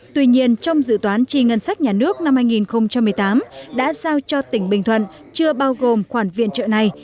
tuy nhiên trong dự toán chi ngân sách nhà nước năm hai nghìn một mươi tám đã giao cho tỉnh bình thuận chưa bao gồm khoản viện trợ này